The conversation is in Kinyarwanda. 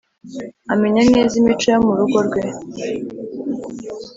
amenya neza imico yo mu rugo rwe,